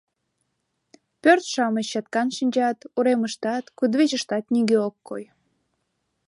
Пӧрт-шамыч чаткан шинчат, уремыштат, кудывечыштат нигӧ ок кой.